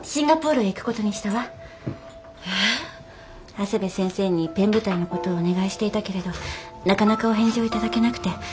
長谷部先生にペン部隊の事をお願いしていたけれどなかなかお返事を頂けなくて。